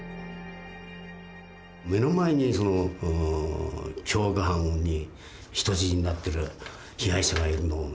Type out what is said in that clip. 目の前に凶悪犯に人質になってる被害者がいるのをね